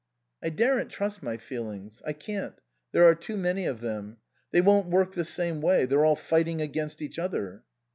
" I daren't trust my feelings. I can't. There are too many of them. They won't work the same way. They're all fighting against each other."